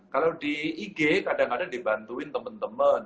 kalau di ig kadang kadang dibantuin temen temen